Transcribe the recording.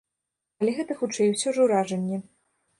Але гэта, хутчэй, усё ж уражанне.